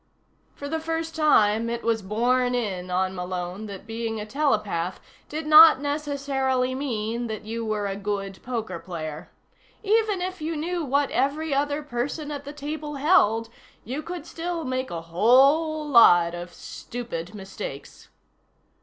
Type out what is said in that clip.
For the first time, it was borne in on Malone that being a telepath did not necessarily mean that you were a good poker player. Even if you knew what every other person at the table held, you could still make a whole lot of stupid mistakes.